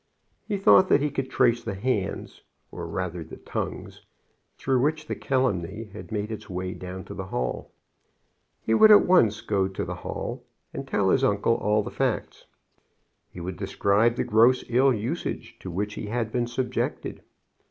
He thought that he could trace the hands, or rather the tongues, through which the calumny had made its way down to the Hall. He would at once go to the Hall, and tell his uncle all the facts. He would describe the gross ill usage to which he had been subjected.